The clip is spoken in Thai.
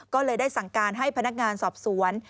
ก็เลยได้สั่งการให้พนักงานสอบสวน